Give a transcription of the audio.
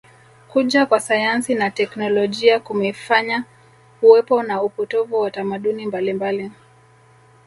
Kuja kwa sayansi na teknolojia kumefanya uwepo na upotovu wa tamaduni mbalimbali